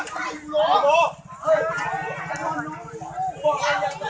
กรอกทดออกเช็ด